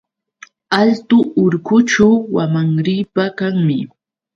Altu urqućhu wamanripa kanmi.